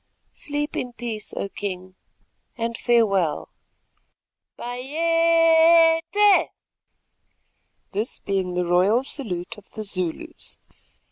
Sleep in peace, O King, and farewell. Bayéte!"[*] [*] The royal salute of the Zulus.